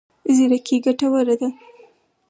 زیرکي ګټور دی.